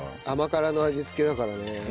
甘辛の味付けだからね